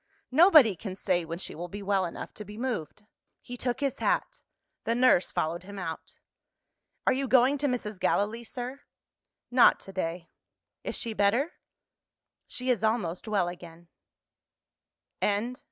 Nobody can say when she will be well enough to be moved." He took his hat. The nurse followed him out. "Are you going to Mrs. Gallilee, sir?" "Not to day." "Is she better?" "She is almost well again." CHAPTER LIII.